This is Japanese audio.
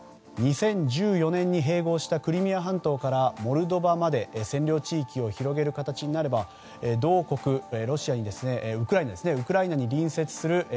２０１４年に併合したクリミア半島からモルドバまで占領地域を広げる形になればウクライナに隣接するＮＡＴＯ